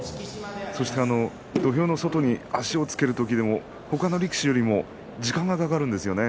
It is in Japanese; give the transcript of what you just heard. そして土俵の外に足を着ける時でも他の力士よりも時間がかかるんですよね